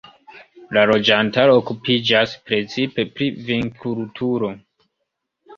La loĝantaro okupiĝas precipe pri vinkulturo.